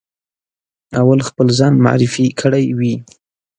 اول خپل ځان معرفي کړی وي.